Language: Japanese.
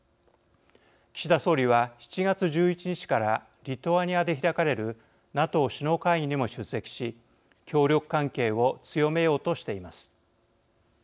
岸田総理は、７月１１日からリトアニアで開かれるＮＡＴＯ首脳会議にも出席し協力関係を強めようとしています。